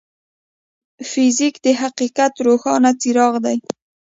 فزیک د حقیقت روښانه څراغ دی.